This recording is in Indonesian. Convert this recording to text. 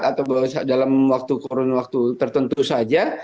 atau dalam waktu kurun waktu tertentu saja